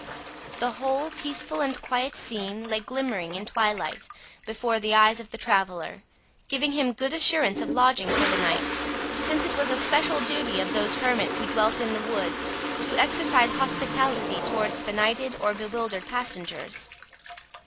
The whole peaceful and quiet scene lay glimmering in twilight before the eyes of the traveller, giving him good assurance of lodging for the night; since it was a special duty of those hermits who dwelt in the woods, to exercise hospitality towards benighted or bewildered passengers.